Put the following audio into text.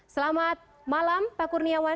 selamat malam pak kurniawan